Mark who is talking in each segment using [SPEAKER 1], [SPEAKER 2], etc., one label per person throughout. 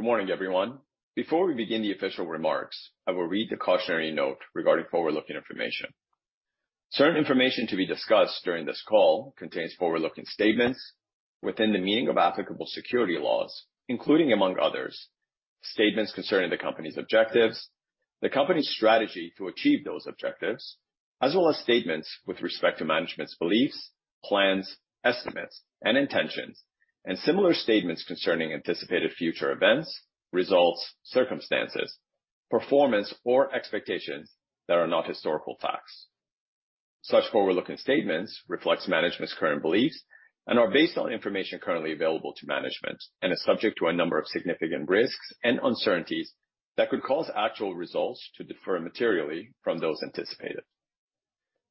[SPEAKER 1] Good morning, everyone. Before we begin the official remarks, I will read the cautionary note regarding forward-looking information. Certain information to be discussed during this call contains forward-looking statements within the meaning of applicable security laws, including among others, statements concerning the company's objectives, the company's strategy to achieve those objectives, as well as statements with respect to management's beliefs, plans, estimates, and intentions, and similar statements concerning anticipated future events, results, circumstances, performance, or expectations that are not historical facts. Such forward-looking statements reflect management's current beliefs and are based on information currently available to management and are subject to a number of significant risks and uncertainties that could cause actual results to differ materially from those anticipated.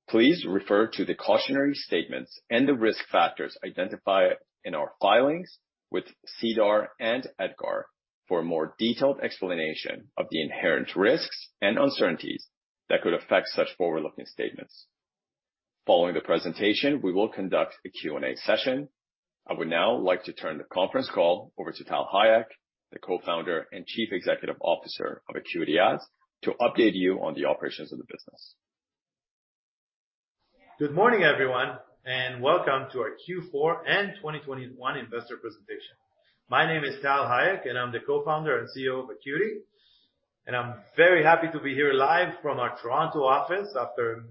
[SPEAKER 1] Please refer to the cautionary statements and the risk factors identified in our filings with SEDAR and EDGAR for a more detailed explanation of the inherent risks and uncertainties that could affect such forward-looking statements. Following the presentation, we will conduct a Q&A session. I would now like to turn the conference call over to Tal Hayek, the Co-Founder and Chief Executive Officer of AcuityAds, to update you on the operations of the business.
[SPEAKER 2] Good morning, everyone, and welcome to our Q4 and 2021 Investor Presentation. My name is Tal Hayek, and I'm the Co-Founder and CEO of Acuity, and I'm very happy to be here live from our Toronto office after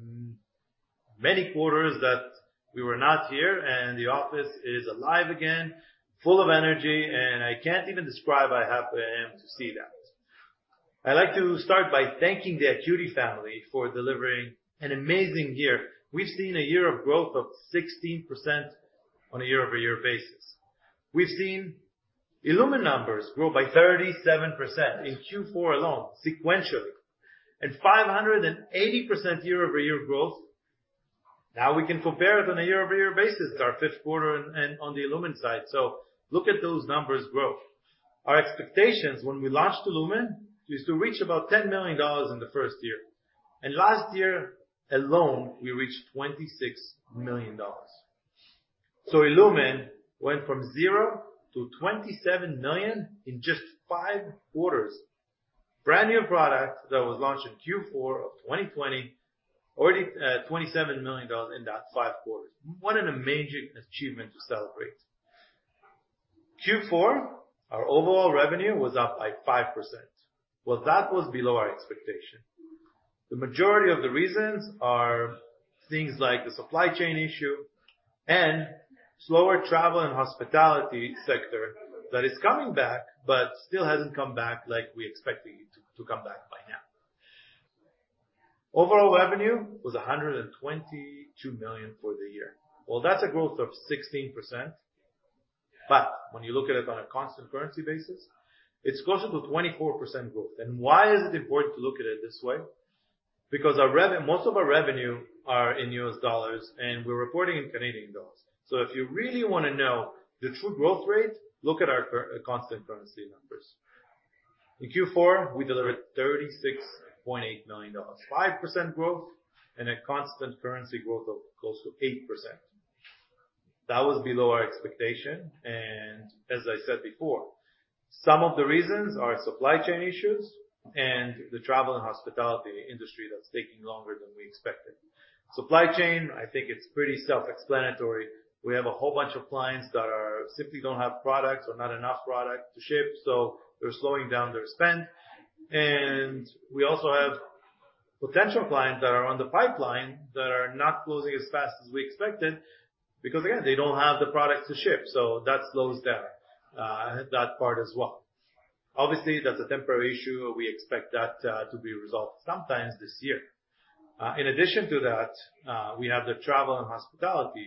[SPEAKER 2] many quarters that we were not here, and the office is alive again, full of energy, and I can't even describe how happy I am to see that. I'd like to start by thanking the Acuity family for delivering an amazing year. We've seen a year of growth of 16% on a year-over-year basis. We've seen illumin numbers grow by 37% in Q4 alone, sequentially, and 580% year-over-year growth. Now we can compare it on a year-over-year basis, our 5th quarter on the illumin side. Look at those numbers growth. Our expectations when we launched illumin is to reach about 10 million dollars in the first year. Last year alone, we reached 26 million dollars. illumin went from zero to 27 million in just five quarters. Brand new product that was launched in Q4 of 2020, already, 27 million dollars in that five quarters. What an amazing achievement to celebrate. Q4, our overall revenue was up by 5%. That was below our expectation. The majority of the reasons are things like the supply chain issue and slower travel and hospitality sector that is coming back, but still hasn't come back like we expected it to come back by now. Overall revenue was 122 million for the year. That's a growth of 16%. When you look at it on a constant currency basis, it's closer to 24% growth. Why is it important to look at it this way? Because most of our revenue are in US dollars, and we're reporting in Canadian dollars. If you really wanna know the true growth rate, look at our constant currency numbers. In Q4, we delivered 36.8 million dollars, 5% growth and a constant currency growth of close to 8%. That was below our expectation. As I said before, some of the reasons are supply chain issues and the travel and hospitality industry that's taking longer than we expected. Supply chain, I think it's pretty self-explanatory. We have a whole bunch of clients that simply don't have products or not enough product to ship, so they're slowing down their spend. We also have potential clients that are on the pipeline that are not closing as fast as we expected because, again, they don't have the products to ship. That slows down that part as well. Obviously, that's a temporary issue, and we expect that to be resolved sometime this year. In addition to that, we have the travel and hospitality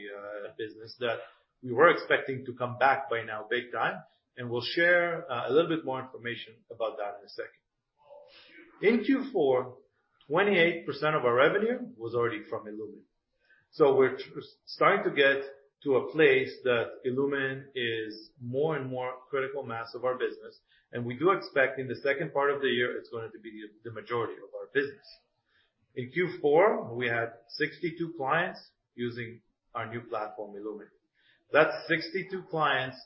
[SPEAKER 2] business that we were expecting to come back by now big time, and we'll share a little bit more information about that in a second. In Q4, 28% of our revenue was already from illumin. We're starting to get to a place that illumin is more and more critical mass of our business, and we do expect in the second part of the year, it's going to be the majority of our business. In Q4, we had 62 clients using our new platform, illumin. That's 62 clients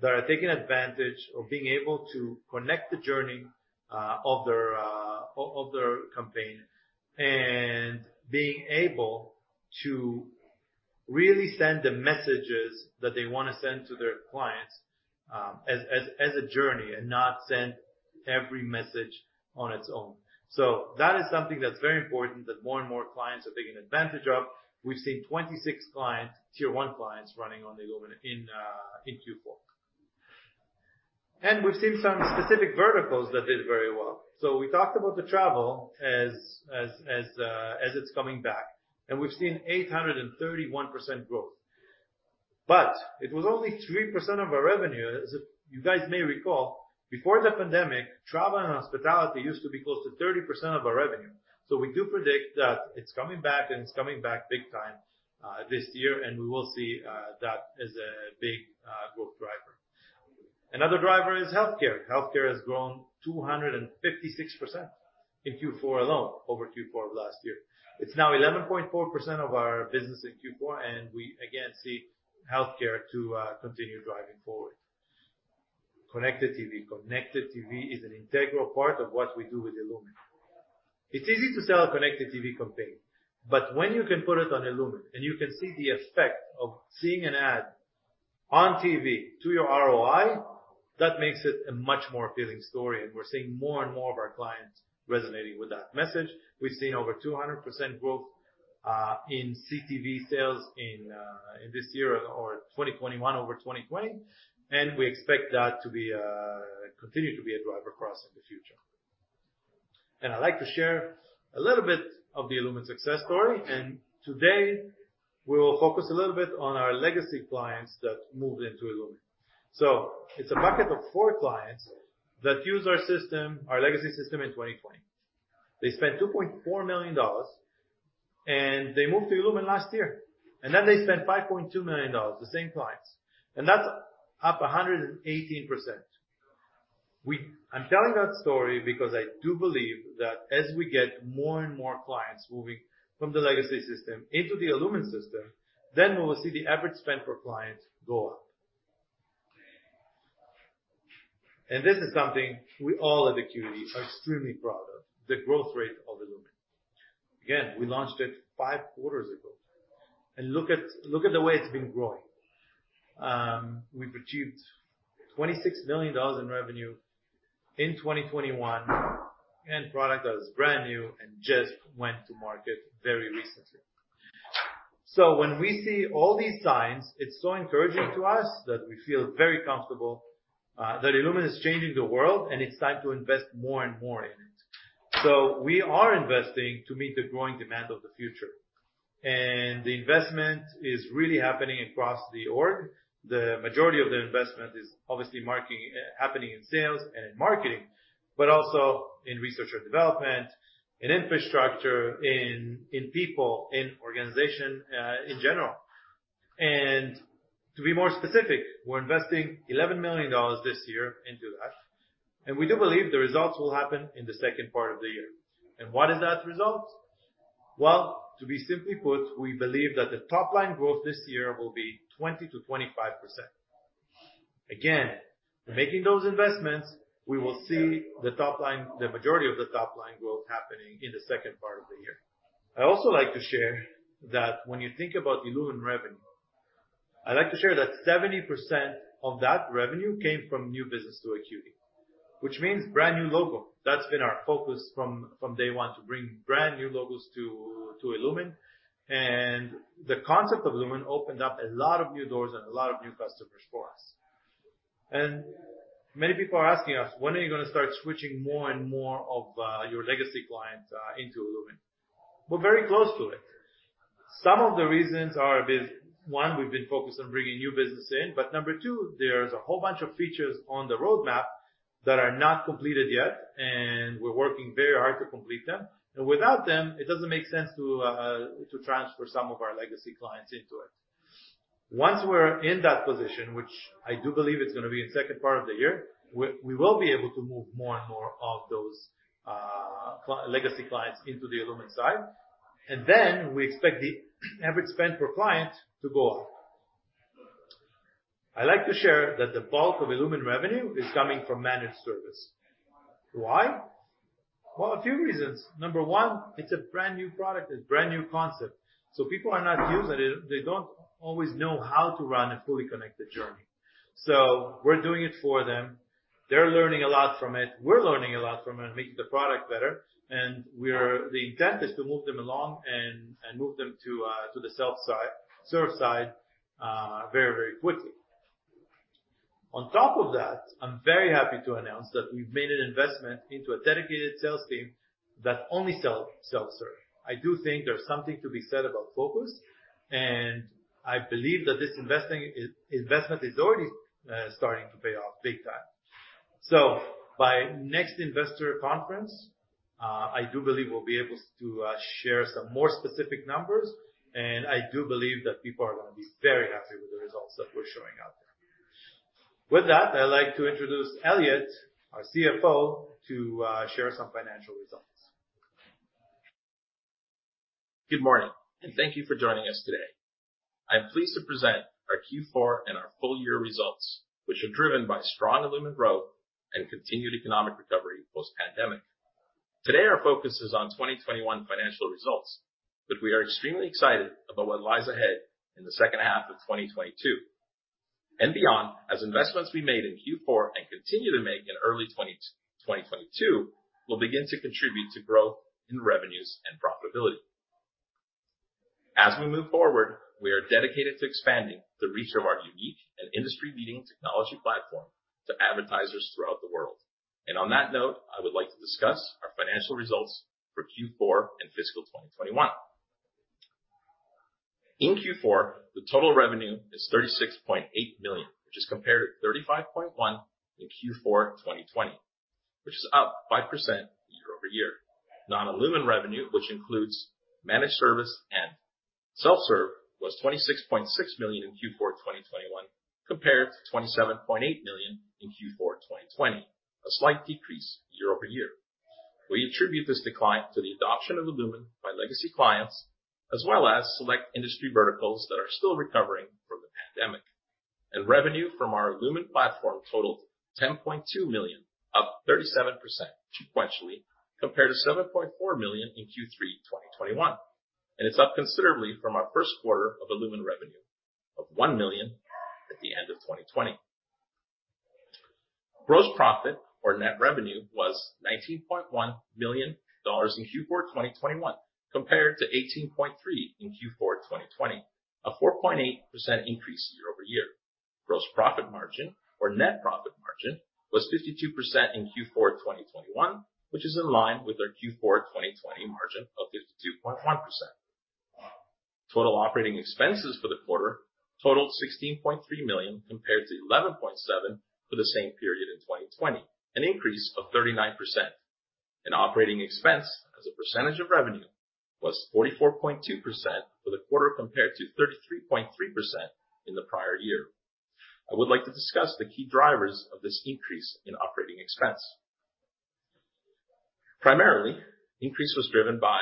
[SPEAKER 2] that are taking advantage of being able to connect the journey of their campaign and being able to really send the messages that they wanna send to their clients, as a journey and not send every message on its own. That is something that's very important that more and more clients are taking advantage of. We've seen 26 clients, tier one clients, running on the illumin in Q4. We've seen some specific verticals that did very well. We talked about the travel as it's coming back, and we've seen 831% growth. But it was only 3% of our revenue. As you guys may recall, before the pandemic, travel and hospitality used to be close to 30% of our revenue. We do predict that it's coming back, and it's coming back big time, this year, and we will see that as a big growth driver. Another driver is healthcare. Healthcare has grown 256% in Q4 alone over Q4 of last year. It's now 11.4% of our business in Q4, and we again see healthcare to continue driving forward. Connected TV is an integral part of what we do with illumin. It's easy to sell a connected TV campaign, but when you can put it on illumin and you can see the effect of seeing an ad on TV to your ROI, that makes it a much more appealing story, and we're seeing more and more of our clients resonating with that message. We've seen over 200% growth in CTV sales in this year or 2021 over 2020, and we expect that to continue to be a driver across in the future. I'd like to share a little bit of the illumin success story, and today we'll focus a little bit on our legacy clients that moved into illumin. It's a bucket of four clients that used our system, our legacy system in 2020. They spent $2.4 million and they moved to illumin last year, and then they spent $5.2 million, the same clients. That's up 118%. I'm telling that story because I do believe that as we get more and more clients moving from the legacy system into the illumin system, then we will see the average spend per client go up. This is something we all at Acuity are extremely proud of, the growth rate of illumin. Again, we launched it five quarters ago, and look at the way it's been growing. We've achieved $26 million in revenue in 2021, and product that is brand new and just went to market very recently. When we see all these signs, it's so encouraging to us that we feel very comfortable that illumin is changing the world and it's time to invest more and more in it. We are investing to meet the growing demand of the future. The investment is really happening across the org. The majority of the investment is obviously happening in sales and in marketing, but also in research or development, in infrastructure, in people, in organization in general. To be more specific, we're investing 11 million dollars this year into that, and we do believe the results will happen in the second part of the year. What is that result? Well, to be simply put, we believe that the top line growth this year will be 20%-25%. Again, we're making those investments, we will see the top line, the majority of the top line growth happening in the second part of the year. I also like to share that when you think about illumin revenue, I like to share that 70% of that revenue came from new business to Acuity, which means brand new logo. That's been our focus from day one, to bring brand new logos to illumin. The concept of illumin opened up a lot of new doors and a lot of new customers for us. Many people are asking us, "When are you gonna start switching more and more of your legacy clients into illumin?" We're very close to it. Some of the reasons are one, we've been focused on bringing new business in, but number two, there's a whole bunch of features on the roadmap that are not completed yet, and we're working very hard to complete them. Without them, it doesn't make sense to transfer some of our legacy clients into it. Once we're in that position, which I do believe it's gonna be in second part of the year, we will be able to move more and more of those legacy clients into the illumin side, and then we expect the average spend per client to go up. I like to share that the bulk of illumin revenue is coming from managed service. Why? Well, a few reasons. Number one, it's a brand new product, it's brand new concept. People are not used to it. They don't always know how to run a fully connected journey. We're doing it for them. They're learning a lot from it. We're learning a lot from it, making the product better. The intent is to move them along and move them to the self-serve side very, very quickly. On top of that, I'm very happy to announce that we've made an investment into a dedicated sales team that only sell self-serve. I do think there's something to be said about focus, and I believe that this investment is already starting to pay off big time. By next investor conference, I do believe we'll be able to share some more specific numbers, and I do believe that people are gonna be very happy with the results that we're showing out there. With that, I'd like to introduce Elliot, our CFO, to share some financial results.
[SPEAKER 3] Good morning, and thank you for joining us today. I'm pleased to present our Q4 and our full year results, which are driven by strong illumin growth and continued economic recovery post-pandemic. Today, our focus is on 2021 financial results, but we are extremely excited about what lies ahead in the second half of 2022 and beyond, as investments we made in Q4 and continue to make in early 2022 will begin to contribute to growth in revenues and profitability. As we move forward, we are dedicated to expanding the reach of our unique and industry-leading technology platform to advertisers throughout the world. On that note, I would like to discuss our financial results for Q4 and fiscal 2021. In Q4, the total revenue is 36.8 million, which is compared to 35.1 million in Q4 2020, which is up 5% year-over-year. Non-illumin revenue, which includes managed service and self-serve, was $26.6 million in Q4 2021 compared to $27.8 million in Q4 2020, a slight decrease year-over-year. We attribute this decline to the adoption of illumin by legacy clients, as well as select industry verticals that are still recovering from the pandemic. Revenue from our illumin platform totaled $10.2 million, up 37% sequentially compared to $7.4 million in Q3 2021. It's up considerably from our first quarter of illumin revenue of $1 million at the end of 2020. Gross profit or net revenue was $19.1 million in Q4 2021 compared to $18.3 million in Q4 2020, a 4.8% increase year-over-year. Gross profit margin or net profit margin was 52% in Q4 2021, which is in line with our Q4 2020 margin of 52.1%. Total operating expenses for the quarter totaled 16.3 million compared to 11.7 million for the same period in 2020, an increase of 39%. Operating expense as a percentage of revenue was 44.2% for the quarter compared to 33.3% in the prior year. I would like to discuss the key drivers of this increase in operating expense. Primarily, increase was driven by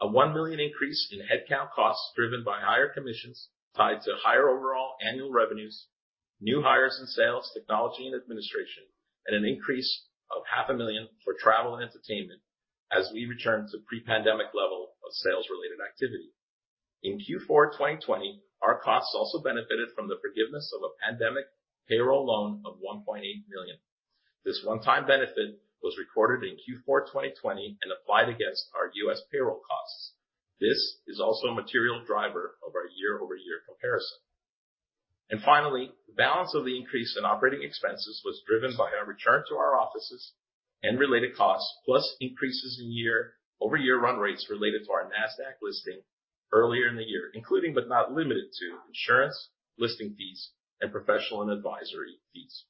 [SPEAKER 3] a 1 million increase in headcount costs driven by higher commissions tied to higher overall annual revenues, new hires in sales, technology and administration, and an increase of CAD half a million for travel and entertainment as we return to pre-pandemic level of sales-related activity. In Q4 2020, our costs also benefited from the forgiveness of a pandemic payroll loan of $1.8 million. This one-time benefit was recorded in Q4 2020 and applied against our US payroll costs. This is also a material driver of our year-over-year comparison. Finally, the balance of the increase in operating expenses was driven by our return to our offices and related costs, plus increases in year-over-year run rates related to our Nasdaq listing earlier in the year, including but not limited to insurance, listing fees, and professional and advisory fees.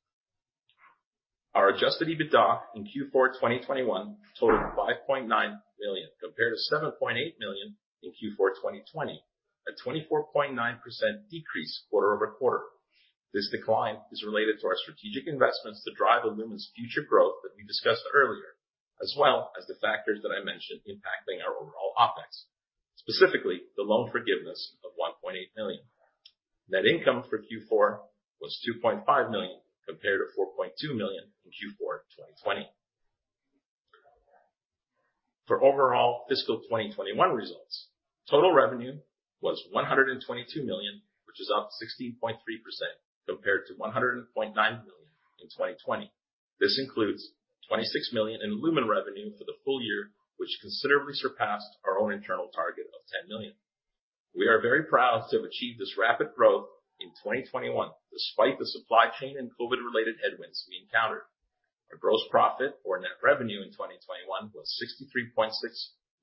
[SPEAKER 3] Our adjusted EBITDA in Q4 2021 totaled $5.9 million compared to $7.8 million in Q4 2020, a 24.9% decrease quarter-over-quarter. This decline is related to our strategic investments to drive illumin's future growth that we discussed earlier, as well as the factors that I mentioned impacting our overall OpEx, specifically the loan forgiveness of $1.8 million. Net income for Q4 was $2.5 million compared to $4.2 million in Q4 2020. For overall fiscal 2021 results, total revenue was $122 million, which is up 16.3% compared to $100.9 million in 2020. This includes $26 million in illumin revenue for the full year, which considerably surpassed our own internal target of $10 million. We are very proud to have achieved this rapid growth in 2021 despite the supply chain and COVID-related headwinds we encountered. Our gross profit or net revenue in 2021 was 63.6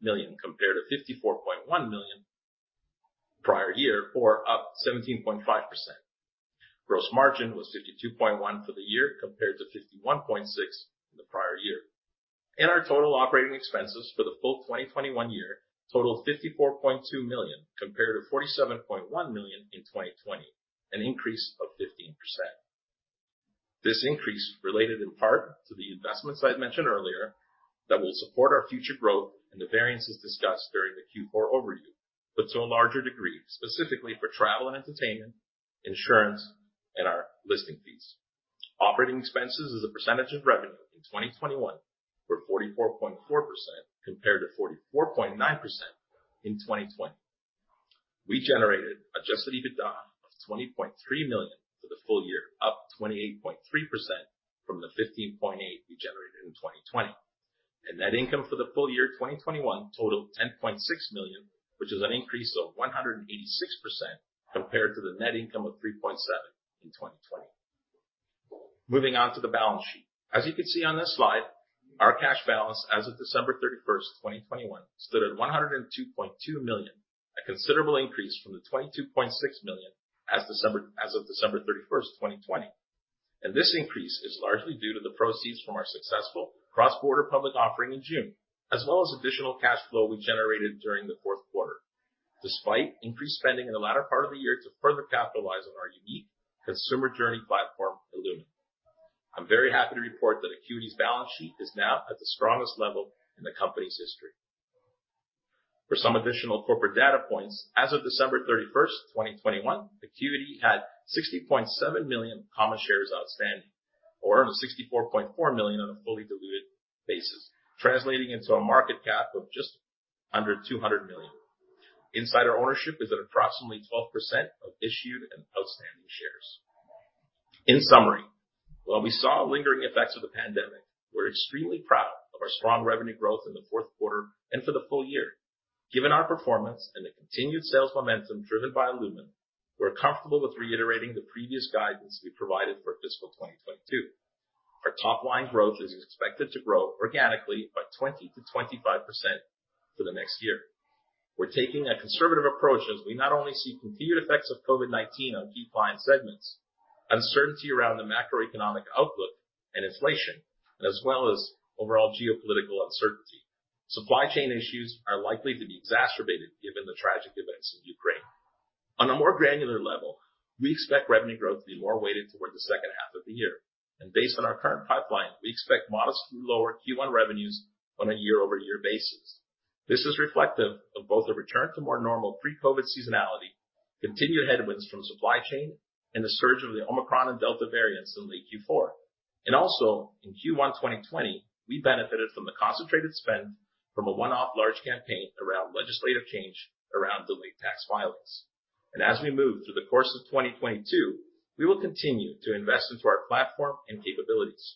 [SPEAKER 3] million compared to 54.1 million prior year, or up 17.5%. Gross margin was 52.1% for the year compared to 51.6% in the prior year. Our total operating expenses for the full 2021 year totaled 54.2 million compared to 47.1 million in 2020, an increase of 15%. This increase related in part to the investments I mentioned earlier that will support our future growth and the variances discussed during the Q4 overview, but to a larger degree, specifically for travel and entertainment, insurance, and our listing fees. Operating expenses as a percentage of revenue in 2021 were 44.4% compared to 44.9% in 2020. We generated adjusted EBITDA of 20.3 million for the full year, up 28.3% from the 15.8 we generated in 2020. Net income for the full year 2021 totaled 10.6 million, which is an increase of 186% compared to the net income of 3.7 in 2020. Moving on to the balance sheet. As you can see on this slide, our cash balance as of December 31st, 2021, stood at 102.2 million, a considerable increase from the 22.6 million as of December 31st, 2020. This increase is largely due to the proceeds from our successful cross-border public offering in June, as well as additional cash flow we generated during the fourth quarter, despite increased spending in the latter part of the year to further capitalize on our unique consumer journey platform, illumin. I'm very happy to report that Acuity's balance sheet is now at the strongest level in the company's history. For some additional corporate data points, as of December 31st, 2021, Acuity had 60.7 million common shares outstanding, or 64.4 million on a fully diluted basis, translating into a market cap of just under 200 million. Insider ownership is at approximately 12% of issued and outstanding shares. In summary, while we saw lingering effects of the pandemic, we're extremely proud of our strong revenue growth in the fourth quarter and for the full year. Given our performance and the continued sales momentum driven by illumin, we're comfortable with reiterating the previous guidance we provided for fiscal 2022. Our top line growth is expected to grow organically by 20%-25% for the next year. We're taking a conservative approach as we not only see continued effects of COVID-19 on key client segments. Uncertainty around the macroeconomic outlook and inflation, as well as overall geopolitical uncertainty. Supply chain issues are likely to be exacerbated given the tragic events in Ukraine. On a more granular level, we expect revenue growth to be more weighted towards the second half of the year. Based on our current pipeline, we expect modestly lower Q1 revenues on a year-over-year basis. This is reflective of both a return to more normal pre-COVID seasonality, continued headwinds from supply chain, and the surge of the Omicron and Delta variants in late Q4. In Q1 2020, we benefited from the concentrated spend from a one-off large campaign around legislative change around delayed tax filings. As we move through the course of 2022, we will continue to invest into our platform and capabilities.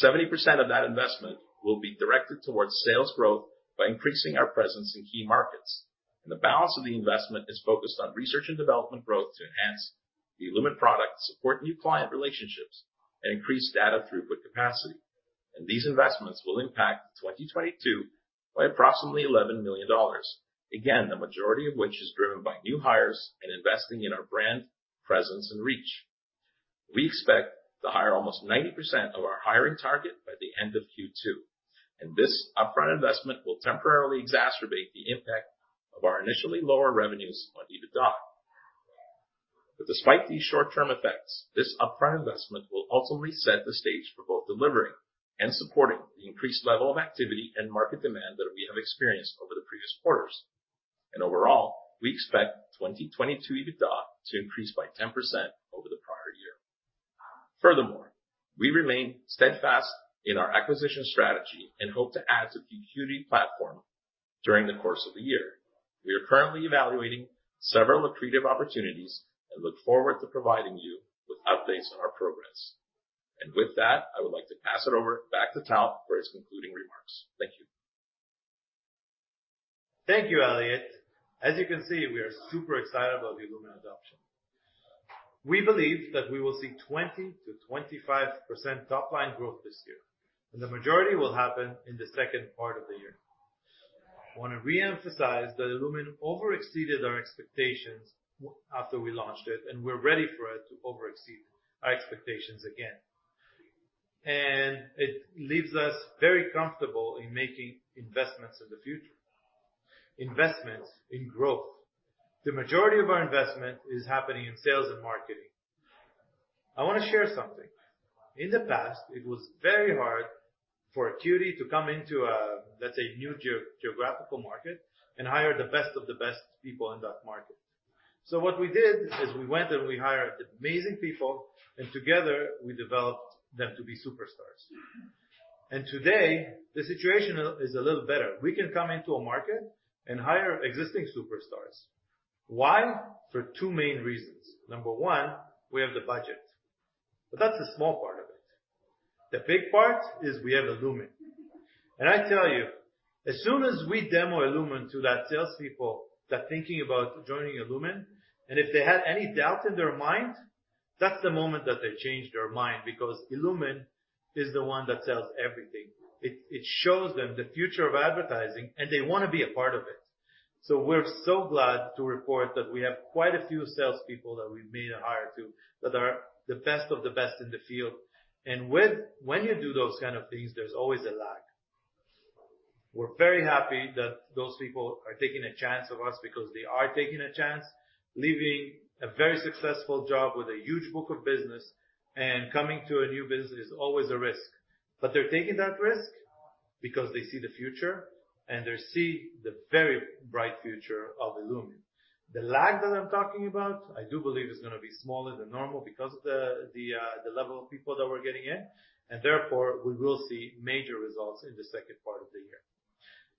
[SPEAKER 3] 70% of that investment will be directed towards sales growth by increasing our presence in key markets. The balance of the investment is focused on research and development growth to enhance the illumin product, support new client relationships, and increase data throughput capacity. These investments will impact 2022 by approximately 11 million dollars. Again, the majority of which is driven by new hires and investing in our brand presence and reach. We expect to hire almost 90% of our hiring target by the end of Q2. This upfront investment will temporarily exacerbate the impact of our initially lower revenues on EBITDA. Despite these short-term effects, this upfront investment will ultimately set the stage for both delivering and supporting the increased level of activity and market demand that we have experienced over the previous quarters. Overall, we expect 2022 EBITDA to increase by 10% over the prior year. Furthermore, we remain steadfast in our acquisition strategy and hope to add to the Acuity platform during the course of the year. We are currently evaluating several accretive opportunities and look forward to providing you with updates on our progress. With that, I would like to pass it over back to Tal for his concluding remarks. Thank you.
[SPEAKER 2] Thank you, Elliot. As you can see, we are super excited about the illumin adoption. We believe that we will see 20%-25% top-line growth this year, and the majority will happen in the second part of the year. I wanna reemphasize that illumin over-exceeded our expectations after we launched it, and we're ready for it to over-exceed our expectations again. It leaves us very comfortable in making investments in the future, investments in growth. The majority of our investment is happening in sales and marketing. I wanna share something. In the past, it was very hard for Acuity to come into, let's say, a new geographical market and hire the best of the best people in that market. So what we did is we went and we hired amazing people, and together we developed them to be superstars. Today, the situation is a little better. We can come into a market and hire existing superstars. Why? For two main reasons. Number one, we have the budget. That's a small part of it. The big part is we have illumin. I tell you, as soon as we demo illumin to that salespeople that thinking about joining illumin, and if they had any doubt in their mind, that's the moment that they changed their mind because illumin is the one that sells everything. It shows them the future of advertising, and they wanna be a part of it. We're so glad to report that we have quite a few salespeople that we've made a hire to that are the best of the best in the field. When you do those kind of things, there's always a lag. We're very happy that those people are taking a chance of us because they are taking a chance, leaving a very successful job with a huge book of business, and coming to a new business is always a risk. They're taking that risk because they see the future, and they see the very bright future of illumin. The lag that I'm talking about, I do believe is gonna be smaller than normal because of the level of people that we're getting in, and therefore, we will see major results in the second part of the year.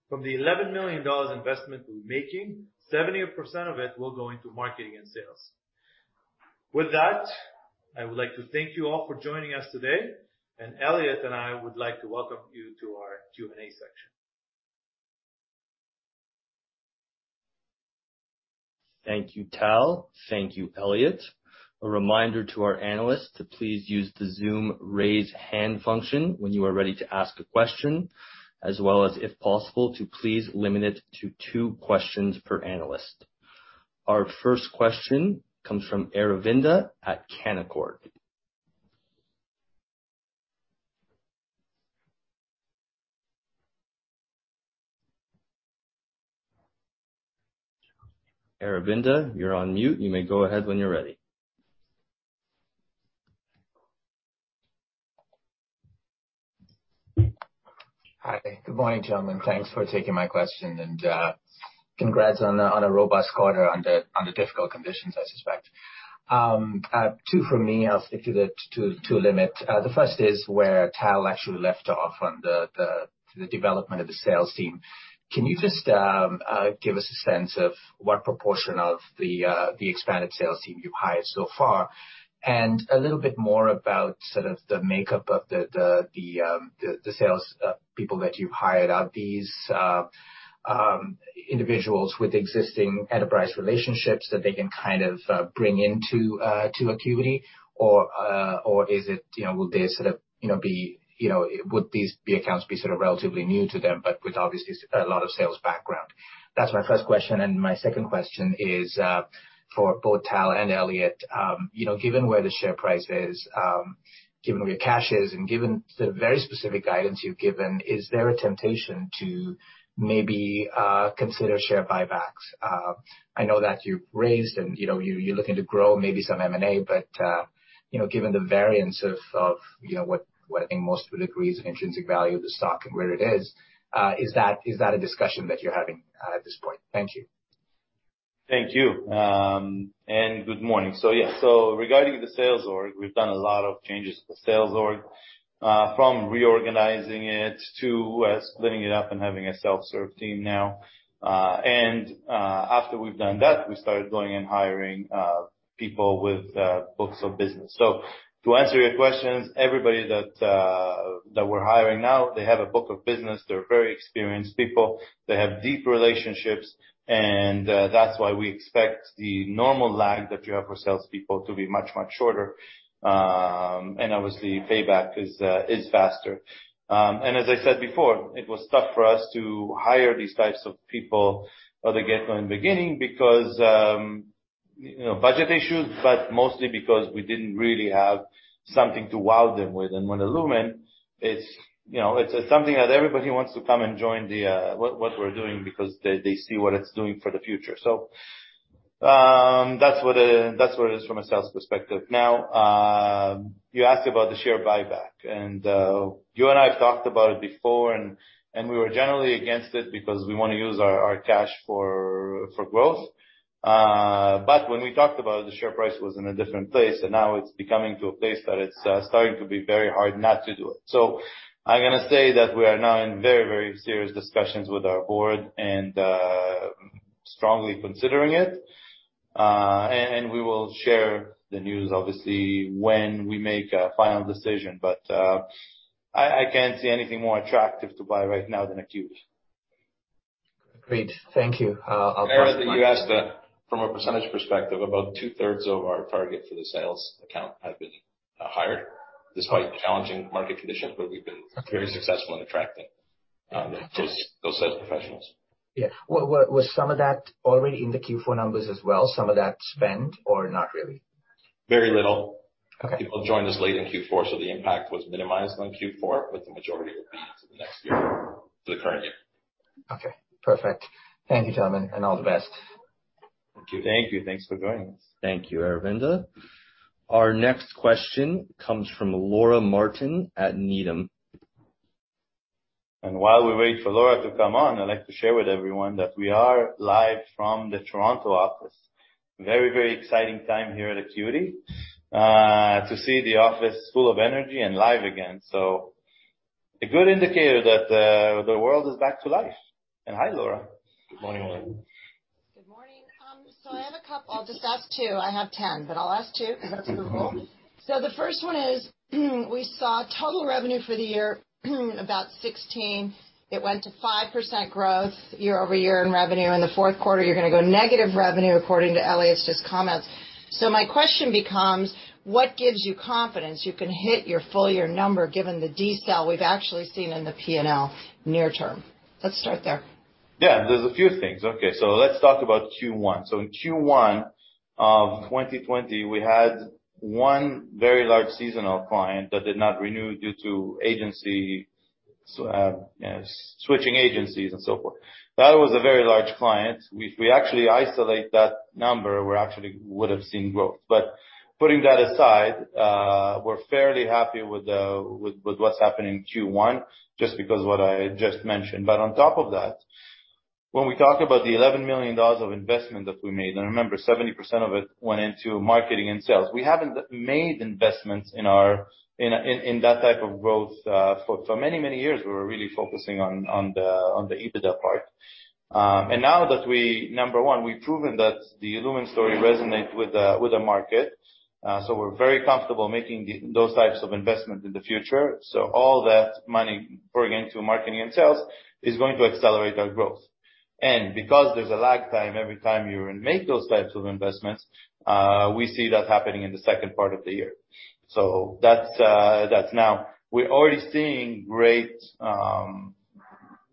[SPEAKER 2] From the $11 million investment we're making, 70% of it will go into marketing and sales. With that, I would like to thank you all for joining us today, and Elliot and I would like to welcome you to our Q&A section.
[SPEAKER 1] Thank you, Tal. Thank you, Elliot. A reminder to our analysts to please use the Zoom raise hand function when you are ready to ask a question, as well as, if possible, to please limit it to two questions per analyst. Our first question comes from Aravinda at Canaccord. Aravinda, you're on mute. You may go ahead when you're ready.
[SPEAKER 4] Hi. Good morning, gentlemen. Thanks for taking my question, and congrats on a robust quarter under difficult conditions, I suspect. Two from me. I'll stick to the two limit. The first is where Tal actually left off on the development of the sales team. Can you just give us a sense of what proportion of the expanded sales team you've hired so far? And a little bit more about sort of the makeup of the sales people that you've hired. Are these individuals with existing enterprise relationships that they can kind of bring into to Acuity? Or, or is it... You know, will they sort of, you know, would these be accounts sort of relatively new to them, but with obviously a lot of sales background? That's my first question. My second question is, for both Tal and Elliot. You know, given where the share price is, given where your cash is, and given the very specific guidance you've given, is there a temptation to maybe consider share buybacks? I know that you've raised and, you know, you're looking to grow maybe some M&A, but, you know, given the variance of, you know, what I think most would agree is an intrinsic value of the stock and where it is that a discussion that you're having, at this point? Thank you.
[SPEAKER 2] Thank you. Good morning. Yeah. Regarding the sales org, we've done a lot of changes to the sales org, from reorganizing it to splitting it up and having a self-serve team now. After we've done that, we started going and hiring people with books of business. To answer your questions, everybody that we're hiring now, they have a book of business. They're very experienced people. They have deep relationships. That's why we expect the normal lag that you have for salespeople to be much, much shorter. Obviously, payback is faster. As I said before, it was tough for us to hire these types of people out of the gate from the beginning because, you know, budget issues, but mostly because we didn't really have something to wow them with. With illumin, it's, you know, it's something that everybody wants to come and join the, what we're doing because they see what it's doing for the future. That's what it is from a sales perspective. Now, you asked about the share buyback, and, you and I have talked about it before, and we were generally against it because we wanna use our cash for growth. When we talked about it, the share price was in a different place, and now it's coming to a place that it's starting to be very hard not to do it. I'm gonna say that we are now in very, very serious discussions with our board and strongly considering it. We will share the news obviously when we make a final decision. I can't see anything more attractive to buy right now than Acuity.
[SPEAKER 4] Great. Thank you. I'll pass it on-
[SPEAKER 3] You asked that from a percentage perspective, about two-thirds of our target for the sales headcount have been hired despite challenging market conditions, but we've been-
[SPEAKER 4] Okay.
[SPEAKER 3] Very successful in attracting those set of professionals.
[SPEAKER 4] Yeah. Was some of that already in the Q4 numbers as well, some of that spent, or not really?
[SPEAKER 3] Very little.
[SPEAKER 4] Okay.
[SPEAKER 3] People joined us late in Q4, so the impact was minimized on Q4, but the majority will be into the next year to the current year.
[SPEAKER 4] Okay. Perfect. Thank you, gentlemen, and all the best.
[SPEAKER 2] Thank you.
[SPEAKER 3] Thank you. Thanks for joining us.
[SPEAKER 1] Thank you, Aravinda. Our next question comes from Laura Martin at Needham.
[SPEAKER 2] While we wait for Laura to come on, I'd like to share with everyone that we are live from the Toronto office. Very, very exciting time here at Acuity, to see the office full of energy and live again. A good indicator that, the world is back to life. Hi, Laura.
[SPEAKER 3] Morning, Laura.
[SPEAKER 5] Good morning. I have a couple. I'll just ask two. I have 10, but I'll ask two 'cause that's the rule. The first one is, we saw total revenue for the year about 16. It went to 5% growth year-over-year in revenue. In the fourth quarter, you're gonna go negative revenue, according to Elliot's just comments. My question becomes, what gives you confidence you can hit your full year number given the decel we've actually seen in the P&L near term? Let's start there.
[SPEAKER 2] Yeah, there's a few things. Okay. Let's talk about Q1. In Q1 of 2020, we had one very large seasonal client that did not renew due to agency switching agencies and so forth. That was a very large client. If we actually isolate that number, we actually would've seen growth. Putting that aside, we're fairly happy with what's happened in Q1 just because what I just mentioned. On top of that, when we talk about the $11 million of investment that we made, and remember, 70% of it went into marketing and sales. We haven't made investments in that type of growth for many years. We were really focusing on the EBITDA part. Number one, we've proven that the illumin story resonate with the market, so we're very comfortable making those types of investments in the future. All that money pouring into marketing and sales is going to accelerate our growth. Because there's a lag time every time you make those types of investments, we see that happening in the second part of the year. That's now. We're already seeing great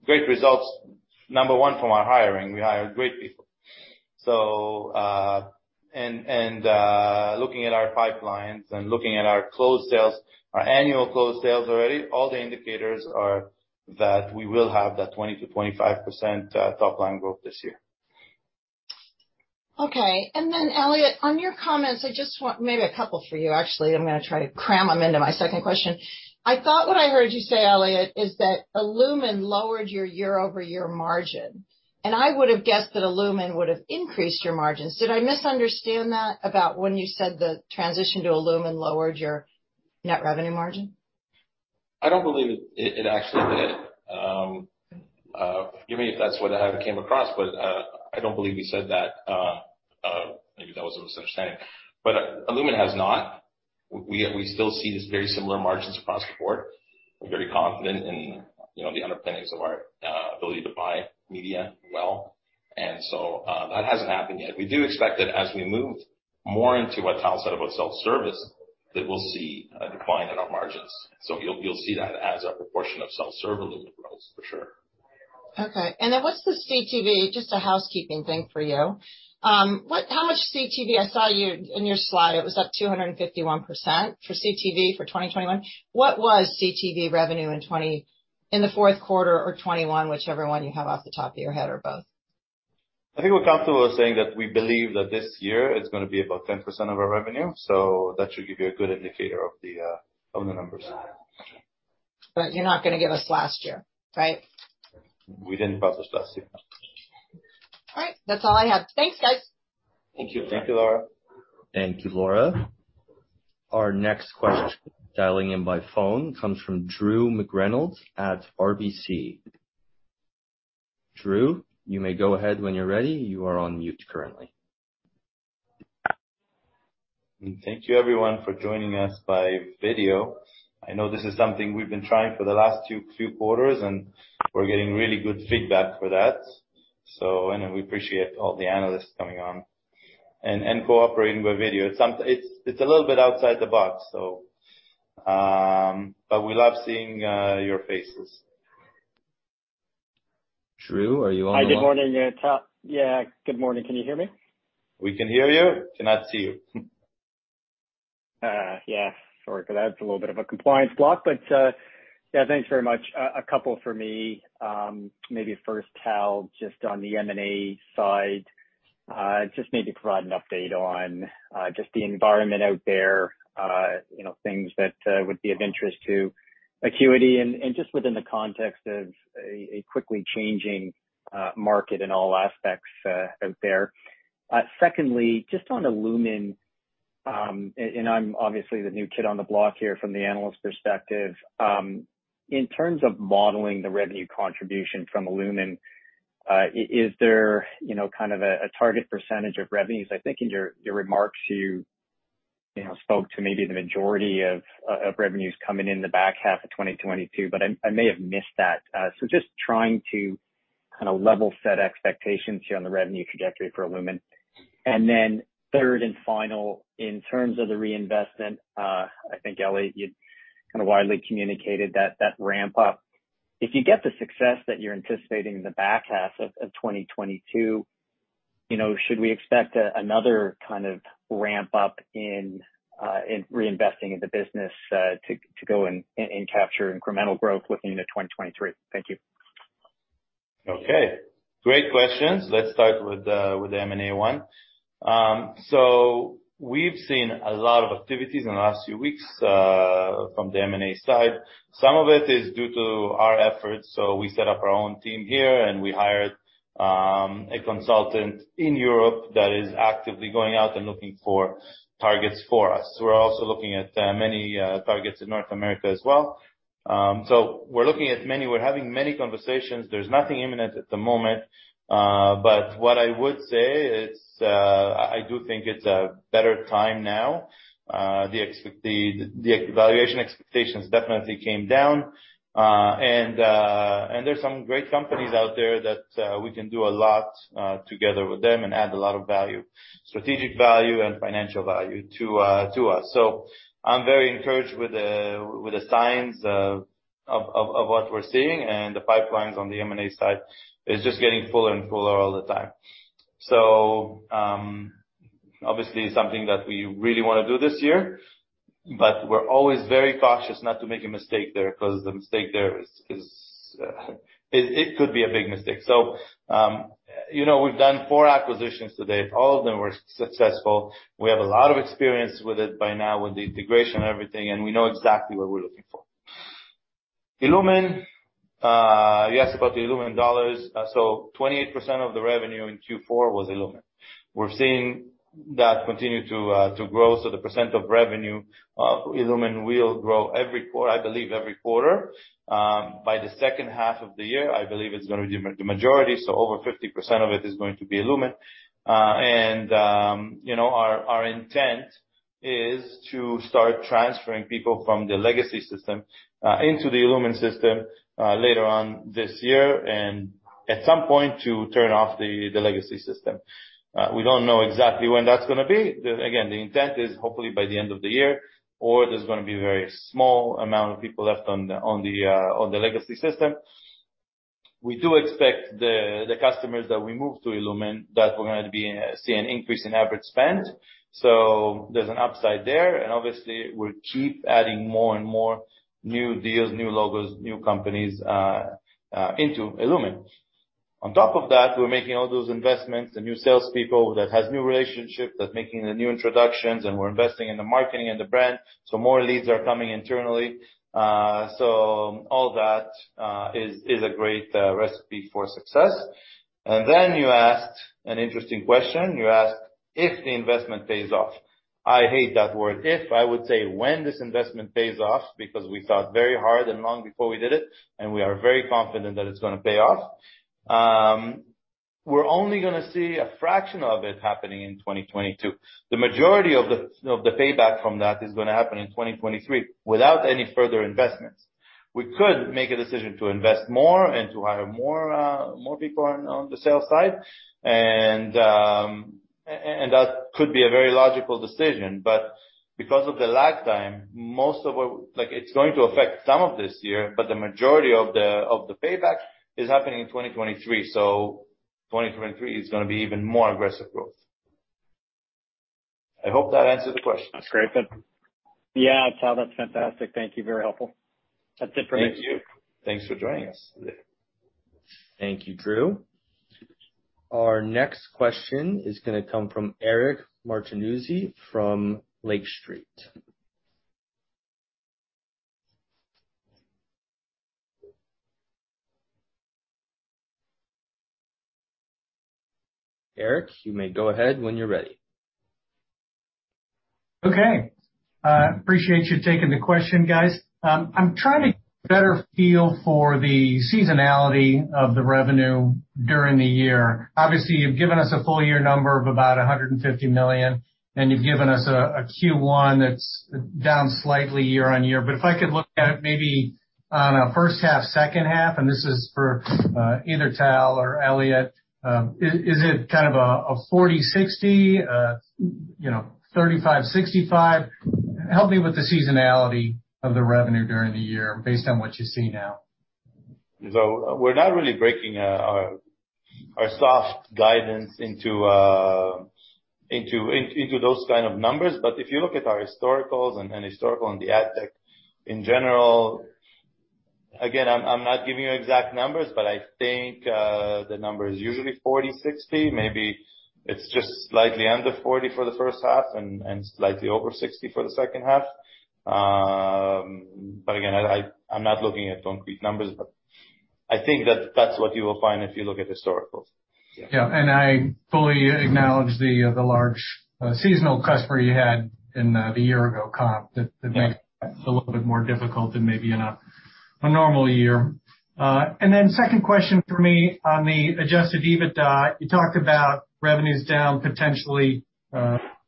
[SPEAKER 2] results, number one, from our hiring. We hired great people. Looking at our pipelines and looking at our closed sales, our annual closed sales already, all the indicators are that we will have that 20%-25% top line growth this year.
[SPEAKER 5] Okay. Elliot, on your comments, I just want maybe a couple for you, actually. I'm gonna try to cram them into my second question. I thought what I heard you say, Elliot, is that illumin lowered your year-over-year margin. I would have guessed that illumin would have increased your margins. Did I misunderstand that about when you said the transition to illumin lowered your net revenue margin?
[SPEAKER 3] I don't believe it. It actually did. Forgive me if that's what I came across, but I don't believe we said that. Maybe that was a misunderstanding. illumin has not. We still see these very similar margins across the board. We're very confident in, you know, the underpinnings of our ability to buy media well. That hasn't happened yet. We do expect that as we move more into what Tal said about self-service, that we'll see a decline in our margins. You'll see that as a proportion of self-serve illumin grows, for sure.
[SPEAKER 5] Okay. What's the CTV, just a housekeeping thing for you. What how much CTV? I saw you in your slide, it was up 251% for CTV for 2021. What was CTV revenue in the fourth quarter or 2021, whichever one you have off the top of your head or both?
[SPEAKER 3] I think what Tal was saying that we believe that this year is gonna be about 10% of our revenue. That should give you a good indicator of the numbers.
[SPEAKER 5] You're not gonna give us last year, right?
[SPEAKER 3] We didn't publish last year.
[SPEAKER 5] All right. That's all I had. Thanks, guys.
[SPEAKER 3] Thank you.
[SPEAKER 2] Thank you, Laura.
[SPEAKER 1] Thank you, Laura. Our next question, dialing in by phone comes from Drew McReynolds at RBC. Drew, you may go ahead when you're ready. You are on mute currently.
[SPEAKER 2] Thank you, everyone, for joining us by video. I know this is something we've been trying for the last few quarters, and we're getting really good feedback for that. Anyway, we appreciate all the analysts coming on and cooperating with video. It's a little bit outside the box. We love seeing your faces.
[SPEAKER 1] Drew, are you on the line?
[SPEAKER 6] Hi, good morning. Yeah, good morning. Can you hear me?
[SPEAKER 2] We can hear you. We cannot see you.
[SPEAKER 6] Yeah, sorry for that. It's a little bit of a compliance block, but yeah, thanks very much. A couple for me. Maybe first, Tal, just on the M&A side, just maybe provide an update on just the environment out there, you know, things that would be of interest to Acuity and just within the context of a quickly changing market in all aspects out there. Secondly, just on illumin, and I'm obviously the new kid on the block here from the analyst perspective. In terms of modeling the revenue contribution from illumin, is there, you know, kind of a target percentage of revenues? I think in your remarks, you know, spoke to maybe the majority of revenues coming in the back half of 2022, but I may have missed that. So just trying to kinda level set expectations here on the revenue trajectory for illumin. Then third and final, in terms of the reinvestment, I think, Elliot, you kinda widely communicated that ramp up. If you get the success that you're anticipating in the back half of 2022, you know, should we expect another kind of ramp up in reinvesting in the business to go and capture incremental growth looking into 2023? Thank you.
[SPEAKER 2] Okay. Great questions. Let's start with the M&A one. We've seen a lot of activities in the last few weeks from the M&A side. Some of it is due to our efforts. We set up our own team here, and we hired a consultant in Europe that is actively going out and looking for targets for us. We're also looking at many targets in North America as well. We're looking at many. We're having many conversations. There's nothing imminent at the moment. What I would say is, I do think it's a better time now. The valuation expectations definitely came down. There's some great companies out there that we can do a lot together with them and add a lot of value, strategic value and financial value to us. I'm very encouraged with the signs of what we're seeing. The pipelines on the M&A side is just getting fuller and fuller all the time. Obviously, something that we really wanna do this year, but we're always very cautious not to make a mistake there because the mistake there is it could be a big mistake. You know, we've done four acquisitions to date. All of them were successful. We have a lot of experience with it by now with the integration and everything, and we know exactly what we're looking for. illumin, you asked about the illumin dollars. 28% of the revenue in Q4 was illumin. We're seeing that continue to grow. The percent of revenue of illumin will grow every quarter, I believe. By the second half of the year, I believe it's gonna be the majority, so over 50% of it is going to be illumin. You know, our intent is to start transferring people from the legacy system into the illumin system later on this year and at some point to turn off the legacy system. We don't know exactly when that's gonna be. Again, the intent is hopefully by the end of the year or there's gonna be very small amount of people left on the legacy system. We do expect the customers that we move to illumin that we're gonna see an increase in average spend. There's an upside there. Obviously we'll keep adding more and more new deals, new logos, new companies into illumin. On top of that, we're making all those investments, the new salespeople that has new relationships, that making the new introductions, and we're investing in the marketing and the brand. More leads are coming internally. All that is a great recipe for success. Then you asked an interesting question. You asked if the investment pays off. I hate that word, if. I would say when this investment pays off, because we thought very hard and long before we did it, and we are very confident that it's gonna pay off. We're only gonna see a fraction of it happening in 2022. The majority of the payback from that is gonna happen in 2023 without any further investments. We could make a decision to invest more and to hire more people on the sales side. That could be a very logical decision. Because of the lag time, like, it's going to affect some of this year, but the majority of the payback is happening in 2023. 2023 is gonna be even more aggressive growth. I hope that answered the question.
[SPEAKER 6] That's great. Yeah, Tal, that's fantastic. Thank you. Very helpful. That's it for me.
[SPEAKER 2] Thank you. Thanks for joining us today.
[SPEAKER 1] Thank you, Drew. Our next question is gonna come from Eric Martinuzzi from Lake Street. Eric, you may go ahead when you're ready.
[SPEAKER 7] Okay. Appreciate you taking the question, guys. I'm trying to get a better feel for the seasonality of the revenue during the year. Obviously, you've given us a full year number of about $150 million, and you've given us a Q1 that's down slightly year-over-year. If I could look at it maybe on a first half/second half, and this is for either Tal or Elliot. Is it kind of a 40-60, 35-65? Help me with the seasonality of the revenue during the year based on what you see now.
[SPEAKER 2] We're not really breaking our soft guidance into those kind of numbers. If you look at our historicals and historical on the ad tech in general. Again, I'm not giving you exact numbers, but I think the number is usually 40-60. Maybe it's just slightly under 40 for the first half and slightly over 60 for the second half. Again, I'm not looking at concrete numbers, but I think that's what you will find if you look at historicals.
[SPEAKER 7] Yeah. I fully acknowledge the large seasonal customer you had in the year-ago comp that makes it a little bit more difficult than maybe in a normal year. Then second question for me on the adjusted EBITDA, you talked about revenues down potentially in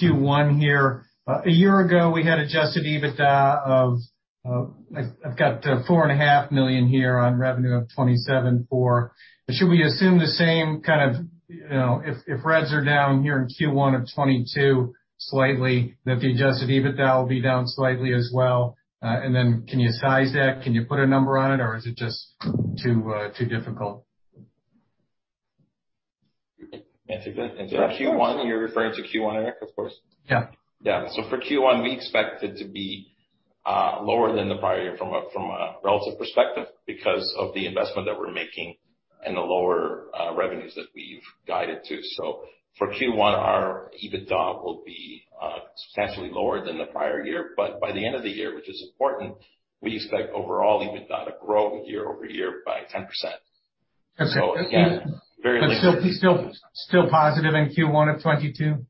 [SPEAKER 7] Q1 here. A year ago, we had adjusted EBITDA of $4.5 million here on revenue of $27.4 million. Should we assume the same kind of, you know, if revs are down here in Q1 of 2022 slightly, that the adjusted EBITDA will be down slightly as well? Then can you size that? Can you put a number on it or is it just too difficult?
[SPEAKER 3] Answer that. Q1, you're referring to Q1, Eric, of course.
[SPEAKER 7] Yeah.
[SPEAKER 3] Yeah. For Q1, we expect it to be lower than the prior year from a relative perspective because of the investment that we're making and the lower revenues that we've guided to. For Q1, our EBITDA will be substantially lower than the prior year. By the end of the year, which is important, we expect overall EBITDA to grow year-over-year by 10%.
[SPEAKER 7] Okay.
[SPEAKER 3] So again, very-
[SPEAKER 7] Still positive in Q1 of 2022?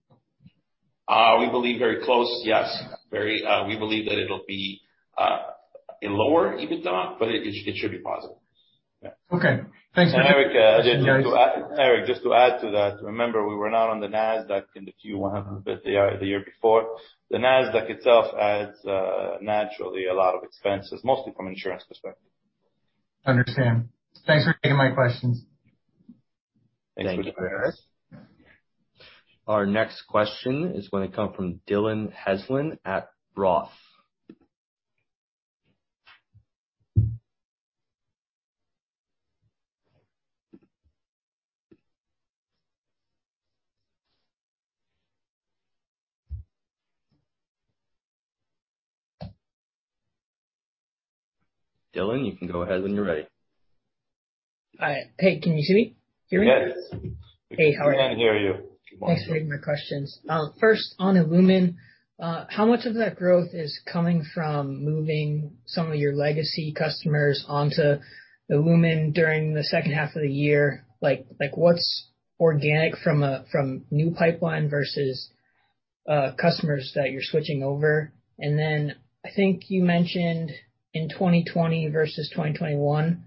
[SPEAKER 3] We believe very close, yes. We believe that it'll be a lower EBITDA, but it should be positive. Yeah.
[SPEAKER 7] Okay. Thank you.
[SPEAKER 2] Eric, just to add to that, remember we were not on the Nasdaq in Q1 but the year before. The Nasdaq itself adds naturally a lot of expenses, mostly from insurance perspective.
[SPEAKER 7] Understand. Thanks for taking my questions.
[SPEAKER 3] Thank you.
[SPEAKER 2] Thank you, Eric.
[SPEAKER 1] Our next question is gonna come from Dillon Heslin at Roth. Dillon, you can go ahead when you're ready.
[SPEAKER 8] All right. Hey, can you see me? Hear me?
[SPEAKER 3] Yes.
[SPEAKER 8] Hey, how are you?
[SPEAKER 3] We can hear you.
[SPEAKER 8] Thanks for taking my questions. First, on illumin, how much of that growth is coming from moving some of your legacy customers onto illumin during the second half of the year? Like, what's organic from new pipeline versus customers that you're switching over? I think you mentioned in 2020 versus 2021,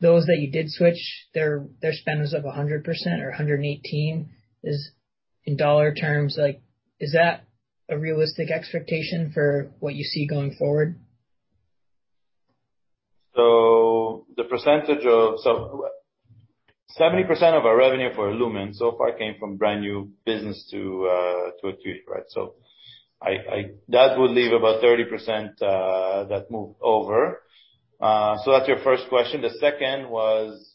[SPEAKER 8] those that you did switch, their spend was up 100% or 118. Is in dollar terms, like, is that a realistic expectation for what you see going forward?
[SPEAKER 2] 70% of our revenue for illumin so far came from brand new business to Acuity, right? I. That would leave about 30% that moved over. That's your first question. The second was.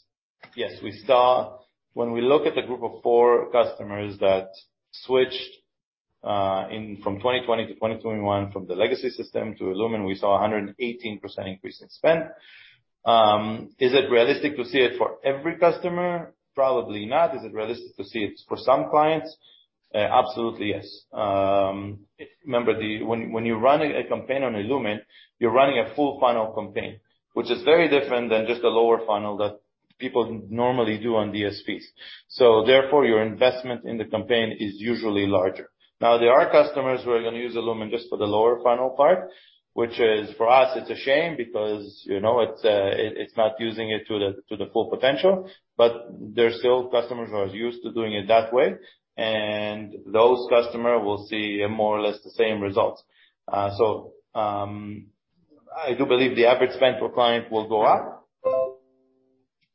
[SPEAKER 2] Yes. We saw when we look at the group of four customers that switched in from 2020 to 2021 from the legacy system to illumin, we saw a 118% increase in spend. Is it realistic to see it for every customer? Probably not. Is it realistic to see it for some clients? Absolutely yes. Remember when you're running a campaign on illumin, you're running a full funnel campaign, which is very different than just a lower funnel that people normally do on DSPs. Therefore your investment in the campaign is usually larger. Now, there are customers who are gonna use illumin just for the lower funnel part, which is for us, it's a shame because, you know, it's not using it to the full potential, but there are still customers who are used to doing it that way, and those customers will see more or less the same results. I do believe the average spend per client will go up,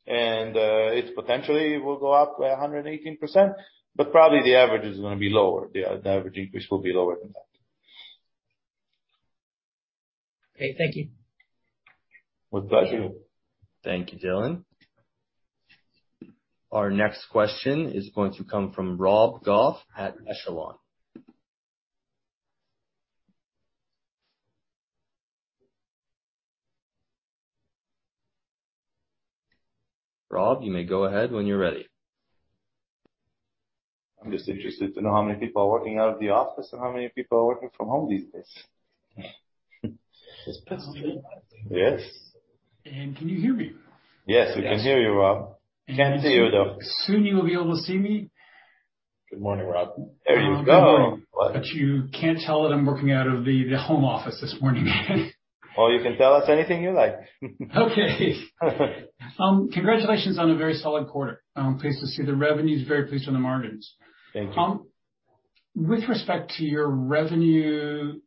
[SPEAKER 2] and it potentially will go up by 118%, but probably the average is gonna be lower. The average increase will be lower than that.
[SPEAKER 8] Okay. Thank you.
[SPEAKER 2] With pleasure.
[SPEAKER 1] Thank you, Dylan. Our next question is going to come from Rob Goff at Echelon. Rob, you may go ahead when you're ready.
[SPEAKER 2] I'm just interested to know how many people are working out of the office and how many people are working from home these days. Yes.
[SPEAKER 9] Can you hear me?
[SPEAKER 2] Yes, we can hear you, Rob. Can't see you, though.
[SPEAKER 9] Soon you will be able to see me.
[SPEAKER 3] Good morning, Rob.
[SPEAKER 2] There you go.
[SPEAKER 9] You can't tell that I'm working out of the home office this morning.
[SPEAKER 2] Oh, you can tell us anything you like.
[SPEAKER 9] Okay. Congratulations on a very solid quarter. I'm pleased to see the revenues, very pleased with the margins.
[SPEAKER 2] Thank you.
[SPEAKER 9] With respect to your revenue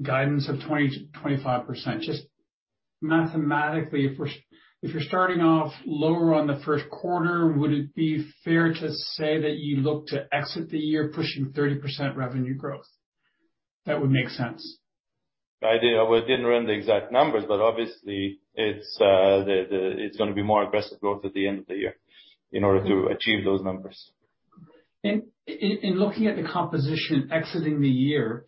[SPEAKER 9] guidance of 20%-25%, just mathematically, if you're starting off lower on the first quarter, would it be fair to say that you look to exit the year pushing 30% revenue growth? That would make sense.
[SPEAKER 2] I did. I didn't run the exact numbers, but obviously it's gonna be more aggressive growth at the end of the year in order to achieve those numbers.
[SPEAKER 9] In looking at the composition exiting the year,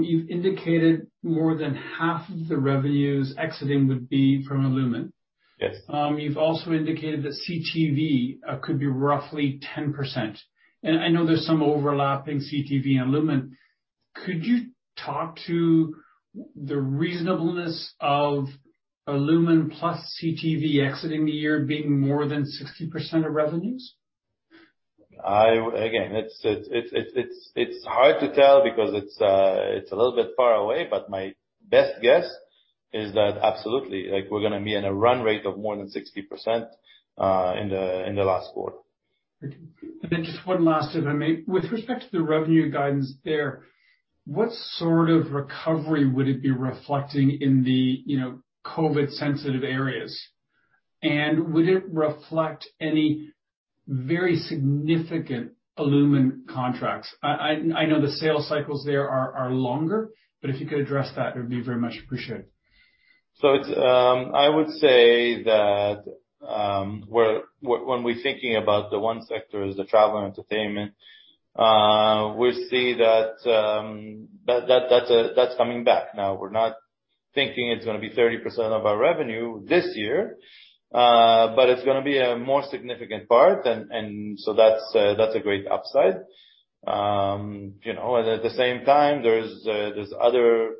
[SPEAKER 9] you've indicated more than half of the revenues exiting would be from illumin.
[SPEAKER 2] Yes.
[SPEAKER 9] You've also indicated that CTV could be roughly 10%. I know there's some overlap in CTV and illumin. Could you talk to the reasonableness of illumin plus CTV exiting the year being more than 60% of revenues?
[SPEAKER 2] Again, it's hard to tell because it's a little bit far away, but my best guess is that absolutely, like, we're gonna be in a run rate of more than 60% in the last quarter.
[SPEAKER 9] Then just one last if I may. With respect to the revenue guidance there, what sort of recovery would it be reflecting in the, you know, COVID sensitive areas? Would it reflect any very significant illumin contracts? I know the sales cycles there are longer, but if you could address that, it would be very much appreciated.
[SPEAKER 2] It's, I would say that, when we're thinking about the one sector is the travel and entertainment, we see that that's coming back. Now, we're not thinking it's gonna be 30% of our revenue this year, but it's gonna be a more significant part. That's a great upside. You know, and at the same time, there's other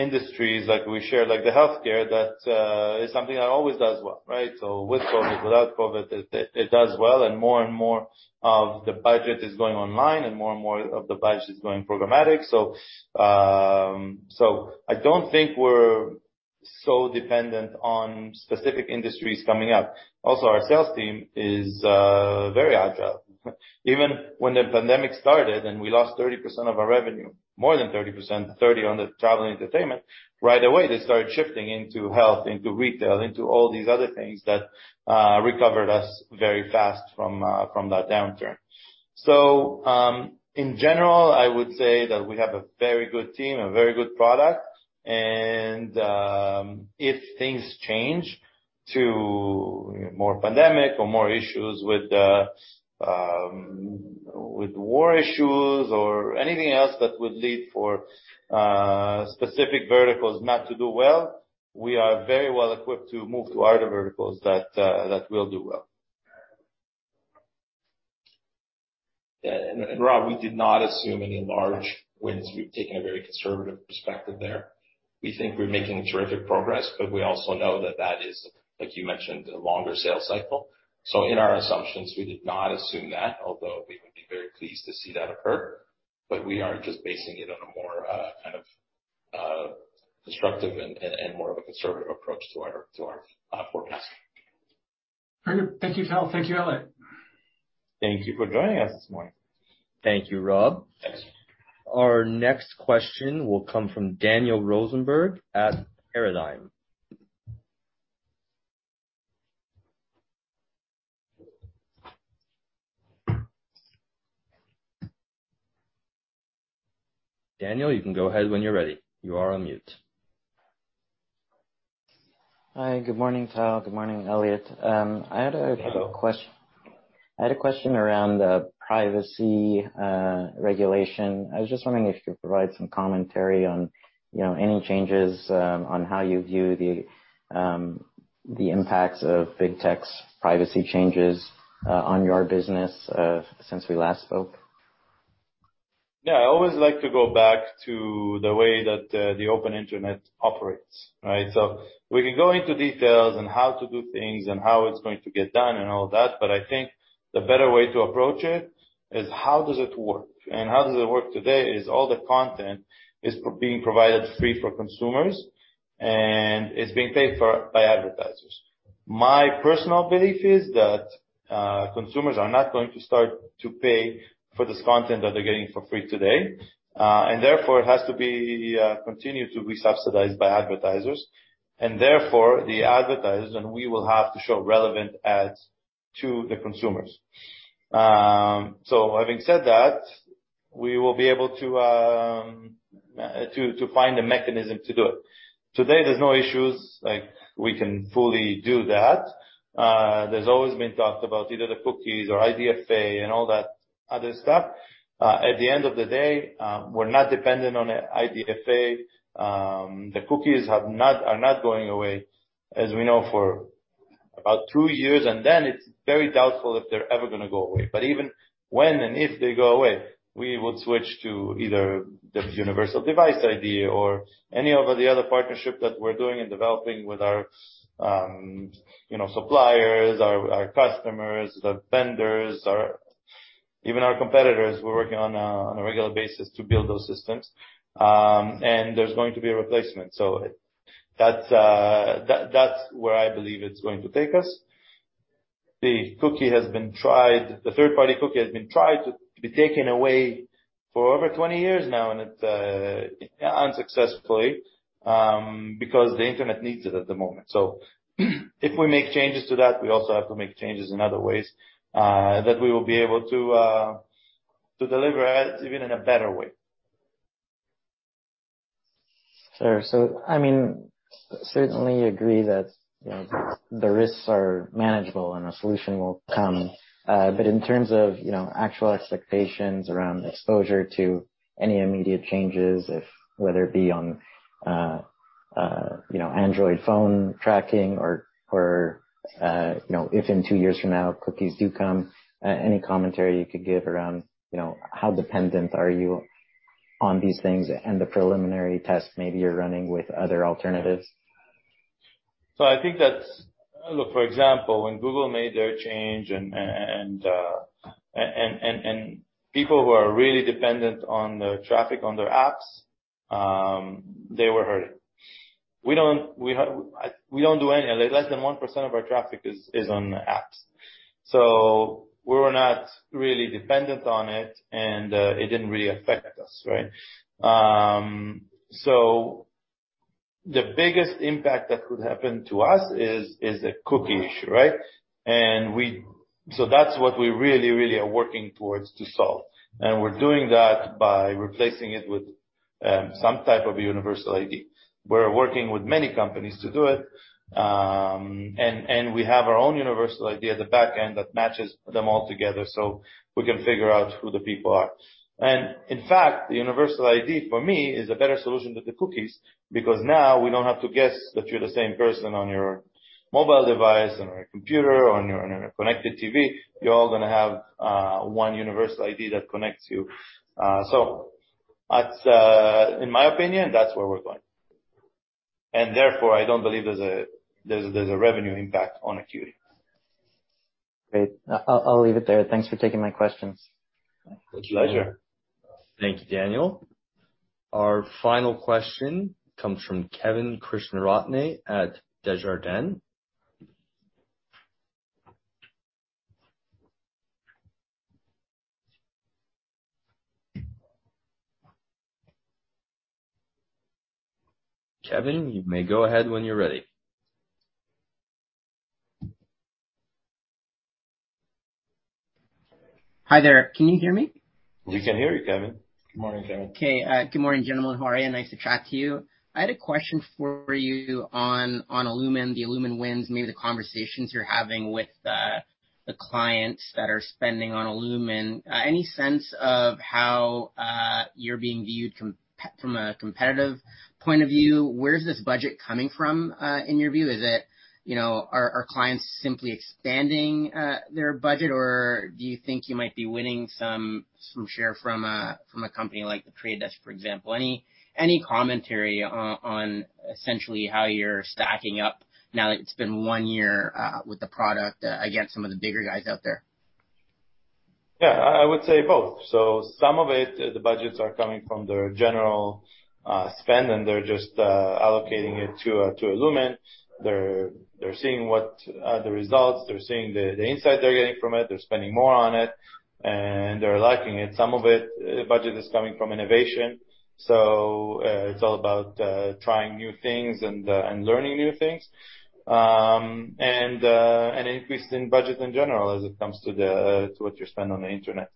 [SPEAKER 2] industries like we shared, like the healthcare that is something that always does well, right? With COVID, without COVID, it does well and more and more of the budget is going online and more and more of the budget is going programmatic. I don't think we're so dependent on specific industries coming up. Also, our sales team is very agile. Even when the pandemic started and we lost 30% of our revenue, more than 30%, 30% on the travel and entertainment, right away, they started shifting into health, into retail, into all these other things that recovered us very fast from that downturn. In general, I would say that we have a very good team, a very good product. If things change to more pandemic or more issues with war issues or anything else that would lead to specific verticals not to do well, we are very well equipped to move to other verticals that will do well.
[SPEAKER 3] Rob, we did not assume any large wins. We've taken a very conservative perspective there. We think we're making terrific progress, but we also know that is, like you mentioned, a longer sales cycle. In our assumptions, we did not assume that, although we would be very pleased to see that occur. We are just basing it on a more kind of constructive and more of a conservative approach to our forecast.
[SPEAKER 9] Very good. Thank you, Tal. Thank you, Elliot.
[SPEAKER 2] Thank you for joining us this morning.
[SPEAKER 1] Thank you, Rob.
[SPEAKER 9] Thanks.
[SPEAKER 1] Our next question will come from Daniel Rosenberg at Paradigm. Daniel, you can go ahead when you're ready. You are on mute.
[SPEAKER 10] Hi, good morning, Tal. Good morning, Elliot.
[SPEAKER 2] Hello.
[SPEAKER 10] I had a question around the privacy regulation. I was just wondering if you could provide some commentary on, you know, any changes on how you view the impacts of big tech's privacy changes on your business since we last spoke.
[SPEAKER 2] Yeah, I always like to go back to the way that the open internet operates, right? We can go into details on how to do things and how it's going to get done and all that, but I think the better way to approach it is how does it work? How does it work today is all the content is being provided free for consumers, and it's being paid for by advertisers. My personal belief is that consumers are not going to start to pay for this content that they're getting for free today. Therefore, it has to be continued to be subsidized by advertisers. Therefore, the advertisers and we will have to show relevant ads to the consumers. Having said that, we will be able to find a mechanism to do it. Today, there's no issues, like, we can fully do that. There's always been talked about either the cookies or IDFA and all that other stuff. At the end of the day, we're not dependent on IDFA. The cookies are not going away as we know for about two years, and then it's very doubtful if they're ever gonna go away. Even when and if they go away, we would switch to either the universal device ID or any of the other partnership that we're doing in developing with our, you know, suppliers, our customers, the vendors, our competitors, we're working on a regular basis to build those systems. And there's going to be a replacement. That's where I believe it's going to take us. The third-party cookie has been tried to be taken away for over 20 years now, and it unsuccessfully, because the internet needs it at the moment. If we make changes to that, we also have to make changes in other ways that we will be able to deliver ads even in a better way.
[SPEAKER 10] Sure. I mean, certainly agree that, you know, the risks are manageable and a solution will come. In terms of, you know, actual expectations around exposure to any immediate changes, whether it be on, you know, Android phone tracking or, you know, if in two years from now, cookies do come, any commentary you could give around, you know, how dependent are you on these things and the preliminary tests maybe you're running with other alternatives?
[SPEAKER 2] I think that's. Look, for example, when Google made their change and people who are really dependent on the traffic on their apps, they were hurting. We don't do any. Less than 1% of our traffic is on apps. We were not really dependent on it, and it didn't really affect us, right? The biggest impact that could happen to us is the cookie issue, right? That's what we really are working towards to solve. We're doing that by replacing it with some type of universal ID. We're working with many companies to do it, and we have our own universal ID at the back end that matches them all together so we can figure out who the people are. In fact, the universal ID for me is a better solution than the cookies because now we don't have to guess that you're the same person on your mobile device, on your computer, on your internet-connected TV. You're all gonna have one universal ID that connects you. That's, in my opinion, that's where we're going. Therefore, I don't believe there's a revenue impact on Acuity.
[SPEAKER 10] Great. I'll leave it there. Thanks for taking my questions.
[SPEAKER 2] My pleasure.
[SPEAKER 1] Thank you, Daniel. Our final question comes from Kevin Krishnaratne at Desjardins. Kevin, you may go ahead when you're ready.
[SPEAKER 11] Hi there. Can you hear me?
[SPEAKER 2] We can hear you, Kevin. Good morning, Kevin.
[SPEAKER 11] Okay. Good morning, gentlemen. How are you? Nice to chat to you. I had a question for you on illumin, the illumin wins, maybe the conversations you're having with the clients that are spending on illumin. Any sense of how you're being viewed from a competitive point of view? Where is this budget coming from, in your view? Is it, you know, are clients simply expanding their budget, or do you think you might be winning some share from a company like The Trade Desk, for example? Any commentary on essentially how you're stacking up now that it's been one year with the product against some of the bigger guys out there?
[SPEAKER 2] Yeah. I would say both. Some of it, the budgets are coming from their general spend, and they're just allocating it to illumin. They're seeing what the results. They're seeing the insight they're getting from it. They're spending more on it, and they're liking it. Some of it, budget is coming from innovation. It's all about trying new things and learning new things. An increase in budget in general as it comes to what you spend on the internet.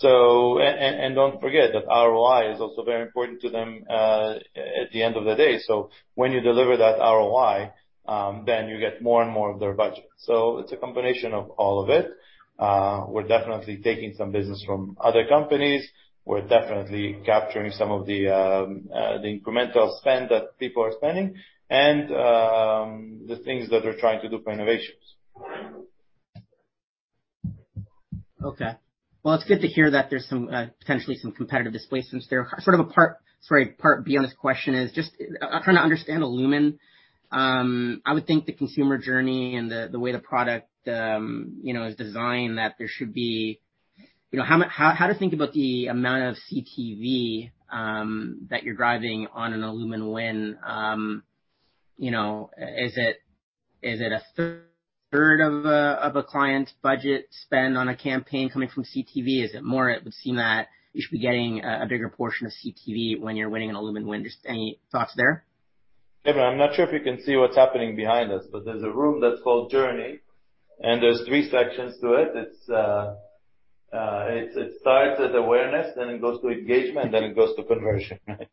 [SPEAKER 2] Don't forget that ROI is also very important to them at the end of the day. When you deliver that ROI, then you get more and more of their budget. It's a combination of all of it. We're definitely taking some business from other companies. We're definitely capturing some of the the incremental spend that people are spending and the things that they're trying to do for innovations.
[SPEAKER 11] Okay. Well, it's good to hear that there's some potentially some competitive displacements there. Sort of a part B on this question is just trying to understand illumin. I would think the consumer journey and the way the product you know is designed that there should be you know how to think about the amount of CTV that you're driving on an illumin win you know is it a third of a client budget spend on a campaign coming from CTV? Is it more? It would seem that you should be getting a bigger portion of CTV when you're winning an illumin win. Just any thoughts there?
[SPEAKER 2] Evan, I'm not sure if you can see what's happening behind us, but there's a room that's called Journey, and there's three sections to it. It starts at awareness, then it goes to engagement, and then it goes to conversion, right?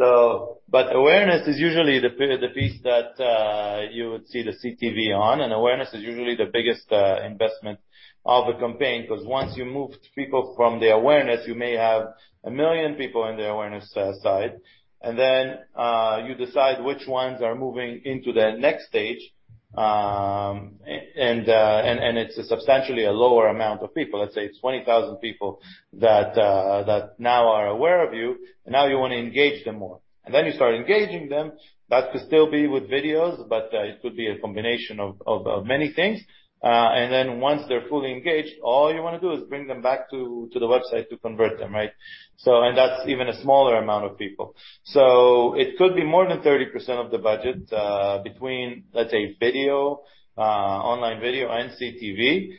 [SPEAKER 2] Awareness is usually the piece that you would see the CTV on, and awareness is usually the biggest investment of a campaign, 'cause once you move people from the awareness, you may have 1 million people in the awareness side, and then you decide which ones are moving into the next stage. And it's substantially a lower amount of people. Let's say it's 20,000 people that now are aware of you, and now you wanna engage them more. You start engaging them. That could still be with videos, but it could be a combination of many things. Then once they're fully engaged, all you wanna do is bring them back to the website to convert them, right? That's even a smaller amount of people. It could be more than 30% of the budget between, let's say, video, online video and CTV.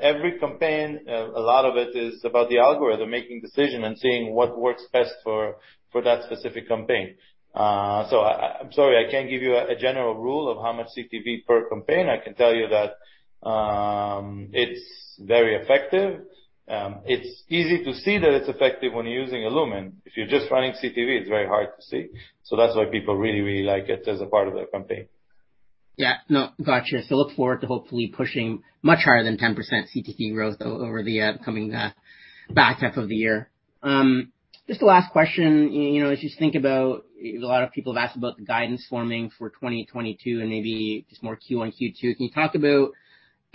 [SPEAKER 2] Every campaign, a lot of it is about the algorithm making decision and seeing what works best for that specific campaign. I'm sorry, I can't give you a general rule of how much CTV per campaign. I can tell you that it's very effective. It's easy to see that it's effective when you're using illumin. If you're just running CTV, it's very hard to see. That's why people really, really like it as a part of their campaign.
[SPEAKER 11] Yeah. No, gotcha. Look forward to hopefully pushing much higher than 10% CTV growth over the coming back half of the year. Just a last question. You know, as you think about, a lot of people have asked about the guidance forming for 2022 and maybe just more Q on Q2. Can you talk about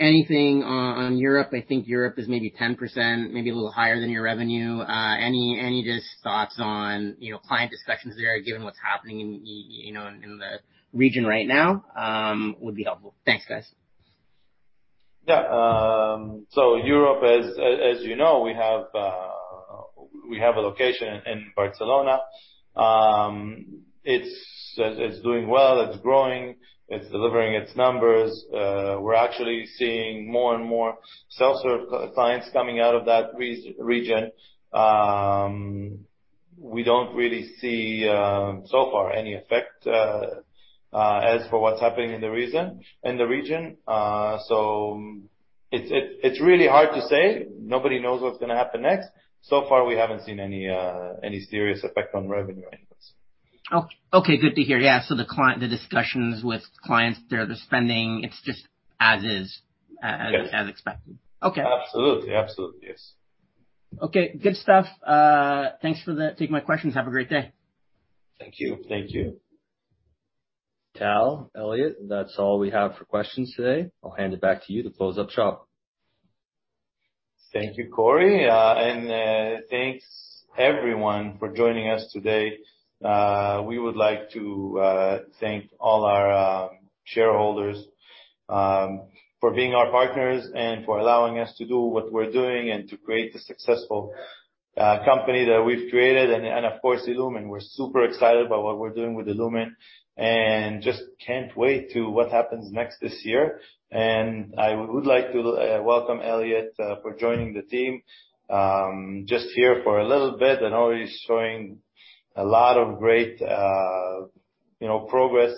[SPEAKER 11] anything on Europe? I think Europe is maybe 10%, maybe a little higher than your revenue. Any just thoughts on, you know, client discussions there, given what's happening in, you know, in the region right now, would be helpful. Thanks, guys.
[SPEAKER 2] Yeah. Europe, as you know, we have a location in Barcelona. It's doing well, it's growing, it's delivering its numbers. We're actually seeing more and more self-serve clients coming out of that region. We don't really see, so far, any effect as for what's happening in the region. It's really hard to say. Nobody knows what's gonna happen next. So far, we haven't seen any serious effect on revenue anyways.
[SPEAKER 11] Okay. Good to hear. Yeah. The discussions with clients there, the spending, it's just as is.
[SPEAKER 2] Yes.
[SPEAKER 11] As expected. Okay.
[SPEAKER 2] Absolutely. Yes.
[SPEAKER 11] Okay. Good stuff. Thanks for taking my questions. Have a great day.
[SPEAKER 2] Thank you. Thank you.
[SPEAKER 1] Tal, Elliot, that's all we have for questions today. I'll hand it back to you to close up shop.
[SPEAKER 2] Thank you, Corey. Thanks everyone for joining us today. We would like to thank all our shareholders for being our partners and for allowing us to do what we're doing and to create the successful company that we've created and of course, illumin. We're super excited about what we're doing with illumin and just can't wait to what happens next this year. I would like to welcome Elliot for joining the team. Just here for a little bit and already showing a lot of great you know progress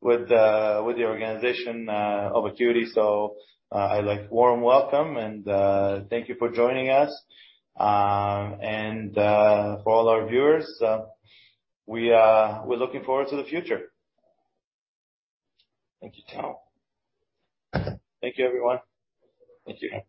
[SPEAKER 2] with the organization of Acuity. I'd like warm welcome, and thank you for joining us. For all our viewers, we're looking forward to the future.
[SPEAKER 1] Thank you, Tal.
[SPEAKER 2] Thank you, everyone.
[SPEAKER 1] Thank you.